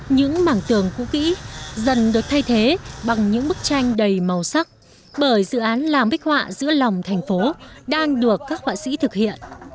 những mảng tường cũ kỹ dần được thay thế bằng những bức tranh đầy màu sắc bởi dự án làng bích họa giữa lòng thành phố đang được các họa sĩ thực hiện